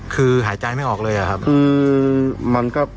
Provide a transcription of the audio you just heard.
คือหายใจไม่ออกเลยอะครับ